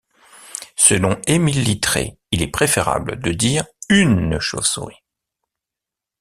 Selon Émile Littré, il est préférable de dire une chauve-souris.